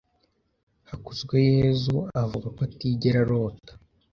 Hakuzweyezu avuga ko atigera arota.